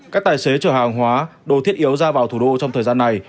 các tài xế chở hàng hóa đồ thiết yếu ra vào thủ đô trong thời gian này